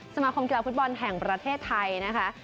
สมาคมกีฬาฟุตบอลแห่งประเทศไทยนะคะ